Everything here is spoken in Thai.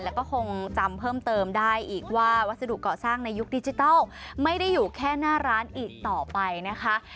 แล้วก็คงจำเพิ่มเติมได้อีกว่าวัสดุเกาะสร้างในยุคดิจิทัลไม่ได้อยู่แค่หน้าร้านอีกต่อไปนะคะ